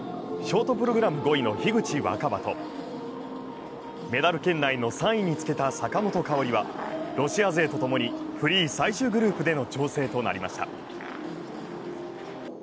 ショートプログラム５位の樋口新葉とメダル圏内の３位につけた坂本花織はロシア勢とともにフリー最終グループでの調整となりました。